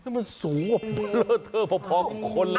มันสูงเบอร์เลอร์เทอร์พอกับคนแล้ว